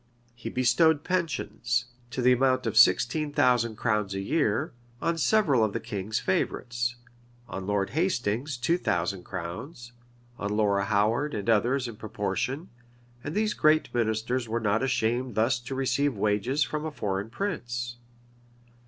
He bestowed pensions, to the amount of sixteen thousand crowns a year, on several of the kings, favorites; on Lord Hastings two thousand crowns; on Lora Howard and others in proportion; and these great ministers were not ashamed thus to receive wages from a foreign prince.